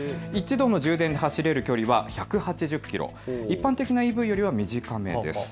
１度の充電で走れる距離は１８０キロ、一般的なＥＶよりは短めです。